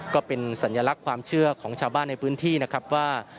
ก็เป็นสัญลักษณ์ความเชื่อของชาวบ้านในพื้นที่นะครับว่า